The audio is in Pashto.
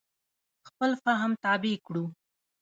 خپل فهم تابع کړو.